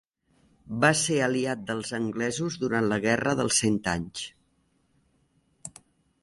Va ser aliat dels anglesos durant la Guerra dels Cent Anys.